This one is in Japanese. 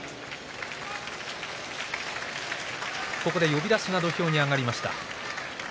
呼出しが土俵に上がりました。